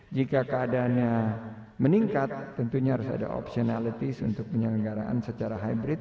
jika keadaannya meningkat tentunya harus ada optionalities untuk penyelenggaraan secara hybrid